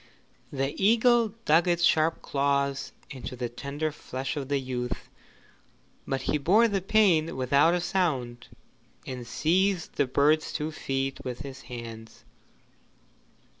The eagle dug its sharp claws into the tender flesh of the youth, but he bore the pain without a sound, and seized the bird's two feet with his hands.